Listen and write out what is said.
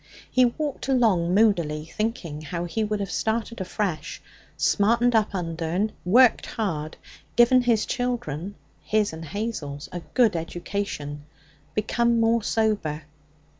He walked along moodily, thinking how he would have started afresh, smartened up Undern, worked hard, given his children his and Hazel's a good education, become more sober.